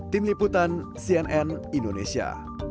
tim liputan cnn indonesia